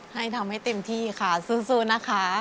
ให้ทำให้เต็มที่ค่ะสู้นะคะ